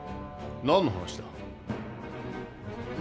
何の話だ？